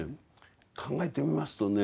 考えてみますとね